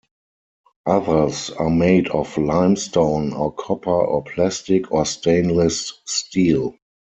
Others are made of limestone or copper or plastic or stainless steel.